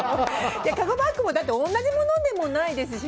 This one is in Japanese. カゴバッグも同じものでもないですし。